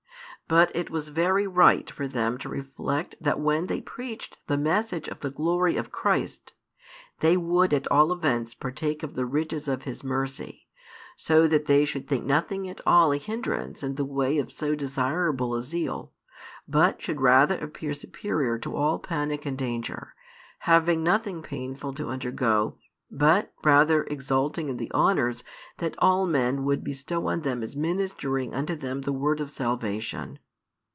But it was very right for them to reflect that when they preached the message of the glory of Christ, they would at all events partake of the riches of His mercy, so that they should think nothing at all a hindrance in the way of so desirable a zeal, but should appear superior to all panic and danger, having nothing painful to undergo, but rather exulting in the honours that all men would bestow on them as ministering unto them the word of salvation.